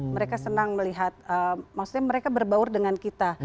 mereka senang melihat maksudnya mereka berbaur dengan kita